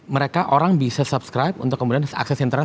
mereka orang bisa subscribe untuk kemudian akses internet